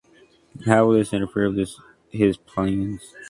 How will this interfere with his plans?